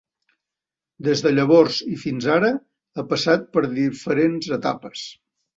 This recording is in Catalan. Des de llavors i fins ara ha passat per diferents etapes.